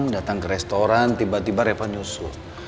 datang ke restoran tiba tiba reva nyusul